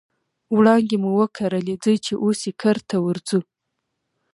وړانګې مو وکرلې ځي چې اوس یې کرته ورځو